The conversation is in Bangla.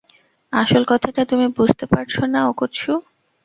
আসল কথাটা তুমি বুঝতে পারছো না, ওকোৎসু।